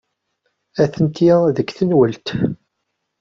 Atenti deg tenwalt.